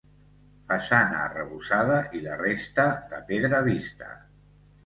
Façana arrebossada i la resta de pedra vista.